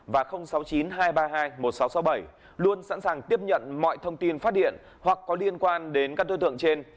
hai trăm ba mươi bốn năm nghìn tám trăm sáu mươi và sáu mươi chín hai trăm ba mươi hai một nghìn sáu trăm sáu mươi bảy luôn sẵn sàng tiếp nhận mọi thông tin phát điện hoặc có liên quan đến các đối tượng trên